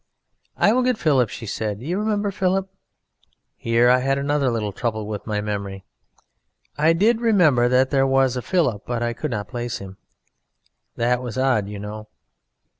'I will get Philip,' she said. 'You remember Philip?' Here I had another little trouble with my memory: I did remember that there was a Philip, but I could not place him. That was odd, you know.